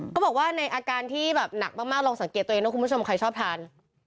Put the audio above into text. ก็บอกว่าในอาการที่แบบหนักมากลองสังเกตตัวเองนะคุณผู้ชมใครชอบทาน